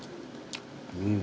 うん。